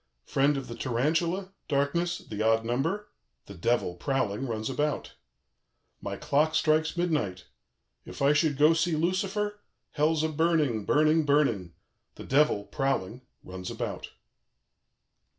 "Friend of the tarantula, darkness, the odd number, the Devil, prowling, runs about. " My clock strikes midnight. If I should go to see Lucifer? Hell's a burning, burning, burning; the Devil, prowling, runs about."